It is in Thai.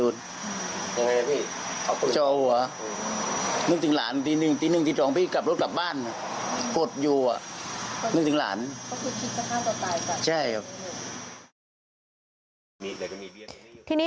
สิ่งใจจ้า